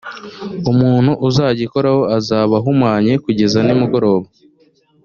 umuntu uzagikoraho azaba ahumanye kugeza nimugoroba